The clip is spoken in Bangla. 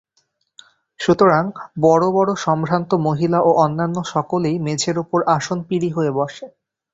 সুতরাং বড় বড় সম্ভ্রান্ত মহিলা ও অন্যান্য সকলেই মেঝের উপর আসনপিঁড়ি হয়ে বসে।